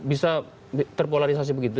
bisa terpolarisasi begitu